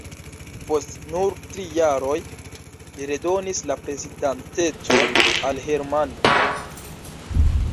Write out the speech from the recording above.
Post nur tri jaroj li redonis la prezidantecon al Herrmann.